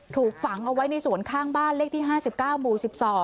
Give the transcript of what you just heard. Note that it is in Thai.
ถูกฝังเอาไว้ในสวนข้างบ้านเลขที่๕๙หมู่๑๒